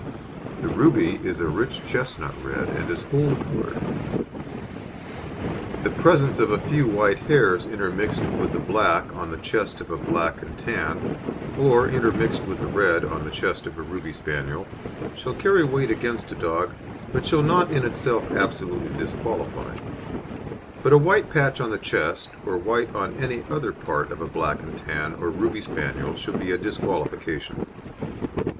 The Ruby is a rich chestnut red, and is whole coloured. The presence of a few white hairs intermixed with the black on the chest of a Black and Tan, or intermixed with the red on the chest of a Ruby Spaniel, shall carry weight against a dog, but shall not in itself absolutely disqualify; but a white patch on the chest or white on any other part of a Black and Tan or Ruby Spaniel shall be a disqualification.